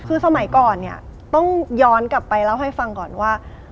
คือสมัยก่อนเนี่ยต้องย้อนกลับไปเล่าให้ฟังก่อนว่า